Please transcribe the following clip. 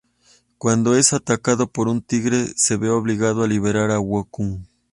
Cuando es atacado por un tigre, se ve obligado a liberar a Wukong.